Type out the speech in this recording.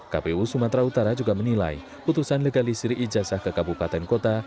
kpu sumatera utara juga menilai putusan legalisir ijazah ke kabupaten kota